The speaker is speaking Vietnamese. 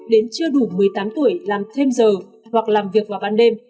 đến chưa đủ một mươi tám tuổi làm thêm giờ hoặc làm việc vào ban đêm